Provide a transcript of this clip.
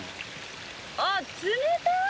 あっ冷たい！